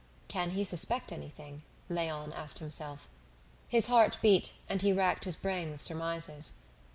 "Can he suspect anything?" Léon asked himself. His heart beat, and he racked his brain with surmises.